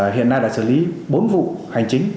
hiện nay đã xử lý bốn vụ hành chính